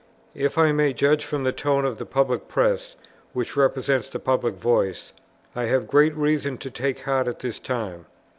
If I may judge from the tone of the public press, which represents the public voice, I have great reason to take heart at this time.